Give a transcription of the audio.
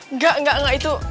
enggak enggak enggak itu